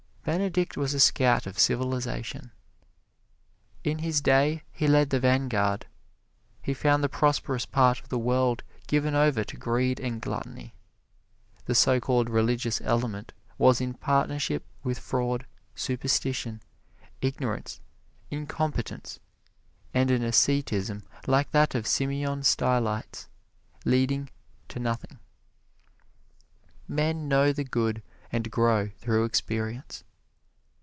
Benedict was a scout of civilization. In his day he led the vanguard. He found the prosperous part of the world given over to greed and gluttony. The so called religious element was in partnership with fraud, superstition, ignorance, incompetence, and an asceticism like that of Simeon Stylites, leading to nothing. Men know the good and grow through experience.